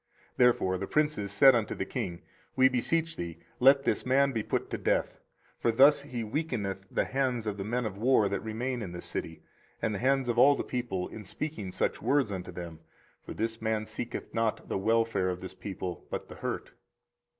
24:038:004 Therefore the princes said unto the king, We beseech thee, let this man be put to death: for thus he weakeneth the hands of the men of war that remain in this city, and the hands of all the people, in speaking such words unto them: for this man seeketh not the welfare of this people, but the hurt.